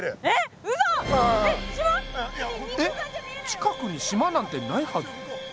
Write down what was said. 近くに島なんてないはず。